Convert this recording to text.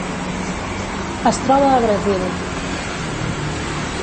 Es troba a Brasil.